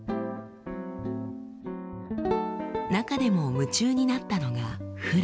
中でも夢中になったのが「フラ」。